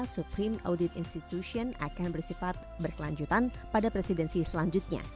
supreme audit institution akan bersifat berkelanjutan pada presidensi selanjutnya